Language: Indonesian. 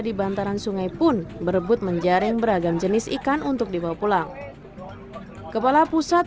di bantaran sungai pun berebut menjaring beragam jenis ikan untuk dibawa pulang kepala pusat